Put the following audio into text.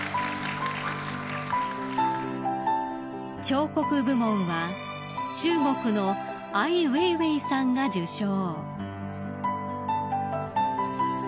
［彫刻部門は中国のアイ・ウェイウェイさんが受賞］